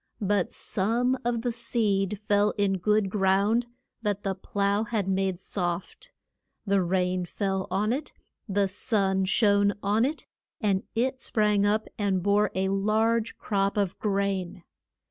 But some of the seed fell in good ground, that the plough had made soft. The rain fell on it, the sun shone on it, and it sprang up and bore a large crop of grain.